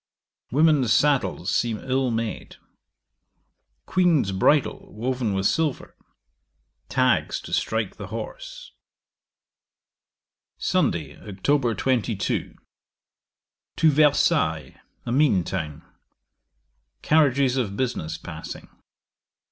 'Women's saddles seem ill made. Queen's bridle woven with silver. Tags to strike the horse. 'Sunday, Oct. 22. To Versailles, a mean town. Carriages of business passing.